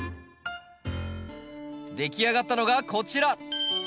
出来上がったのがこちら。